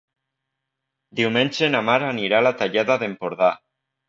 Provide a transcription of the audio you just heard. Diumenge na Mar anirà a la Tallada d'Empordà.